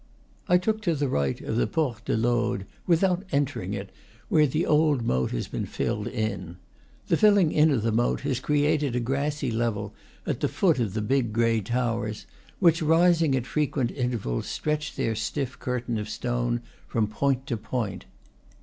I took to the right of the Porte de l'Aude, without entering it, where the old moat has been filled in. The filling in of the moat has created a grassy level at the foot of the big gray towers, which, rising at frequent intervals, stretch their stiff curtain of stone from point to point.